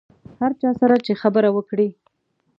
هر چا سره چې خبره وکړې.